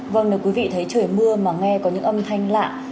vâng nếu quý vị thấy trời mưa mà nghe có những âm thanh lạ